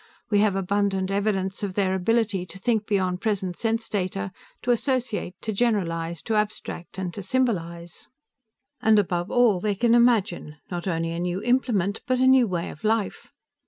We have abundant evidence of their ability to think beyond present sense data, to associate, to generalize, to abstract and to symbolize. "And above all, they can imagine, not only a new implement, but a new way of life.